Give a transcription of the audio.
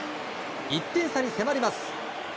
１点差に迫ります。